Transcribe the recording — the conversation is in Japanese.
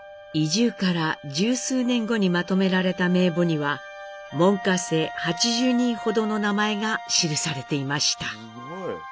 移住から十数年後にまとめられた名簿には門下生８０人ほどの名前が記されていました。